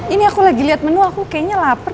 ini aku lagi lihat menu aku kayaknya lapar